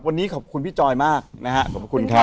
วันนี้ขอบคุณพี่จอยมากนะฮะขอบคุณครับ